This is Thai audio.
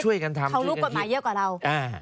ช่วยกันทำเท่ารูปกฎหมายเยอะกว่าเรา